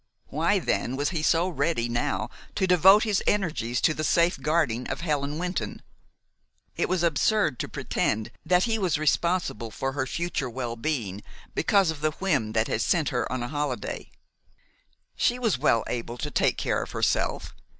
Why, then, was he so ready now to devote his energies to the safeguarding of Helen Wynton? It was absurd to pretend that he was responsible for her future well being because of the whim that sent her on a holiday. She was well able to take care of herself.